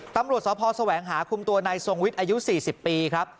ตำรวจสพแสวงหาคุมตัวนายทรงวิทย์อายุ๔๐ปีครับ